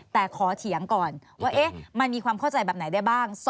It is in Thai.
แต่ขอเถียงก่อนว่ามันมีความเข้าใจแบบไหนได้บ้าง